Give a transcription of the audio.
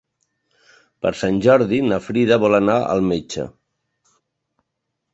Per Sant Jordi na Frida vol anar al metge.